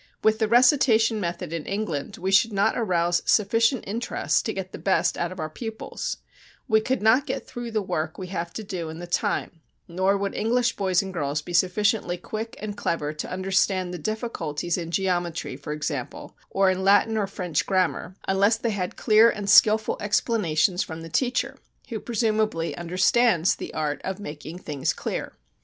With the recitation method in England we should not arouse sufficient interest to get the best out of our pupils; we could not get through the work we have to do in the time, nor would English boys and girls be sufficiently quick and clever to understand the difficulties in geometry, for example, or in Latin or French grammar, unless they had clear and skilful explanations from the teacher, who presumably understands the art of making things clear.